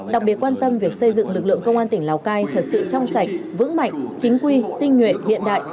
đặc biệt quan tâm việc xây dựng lực lượng công an tỉnh lào cai thật sự trong sạch vững mạnh chính quy tinh nhuệ hiện đại